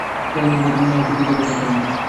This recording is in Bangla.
বেদান্তের কোন অংশই বৃদ্ধ উপেক্ষা করেননি।